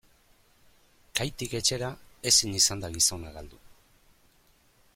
Kaitik etxera ezin izan da gizona galdu.